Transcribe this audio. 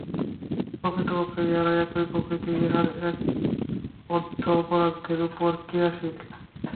প্রকৃতপক্ষে ইহারা একই প্রকৃতি, ইহার এক অর্ধ অপরার্ধের উপর ক্রিয়াশীল।